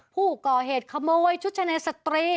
ผู้ก่อเหตุขโมยชุดชะในสตรี